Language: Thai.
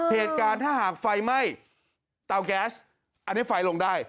เหตุการณ์ถ้าหากไฟไหม้เตาแก๊สอันนี้ไฟลงได้